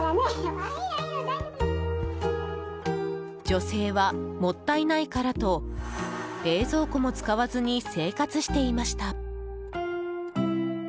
女性は、もったいないからと冷蔵庫も使わずに生活していました。